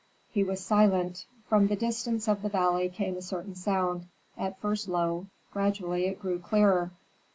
He was silent. From the distance of the valley came a certain sound; at first low, gradually it grew clearer.